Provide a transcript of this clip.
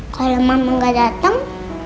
kalau mama gak dateng